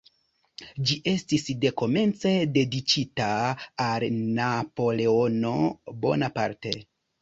Ĝi estis dekomence dediĉita al Napoleono Bonaparte.